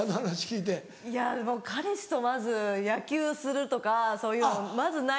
いや彼氏とまず野球するとかそういうのまずない。